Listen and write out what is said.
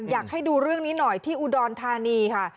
อยากให้ดูเรื่องนี้หน่อยที่อุดรธานีค่ะ